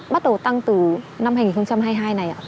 bắt đầu tăng từ năm hai nghìn hai mươi hai này